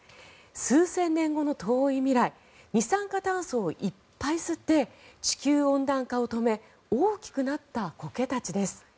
数千年後の遠い未来二酸化炭素をいっぱい吸って地球温暖化を止め大きくなったコケたちです。